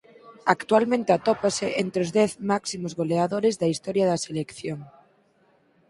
Actualmente atópase entre os dez máximos goleadores da historia da selección.